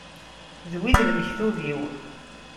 D wa i d lmektub-iw.